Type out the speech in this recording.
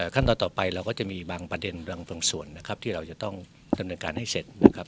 ขั้นตอนต่อไปเราก็จะมีบางประเด็นบางส่วนนะครับที่เราจะต้องดำเนินการให้เสร็จนะครับ